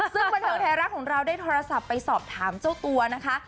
ซึ่งบันเทิงไทยรัฐของเราได้โทรศัพท์ไปสอบถามเจ้าตัวนะคะ